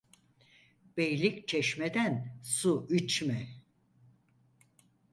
Beylik çeşmeden su içme.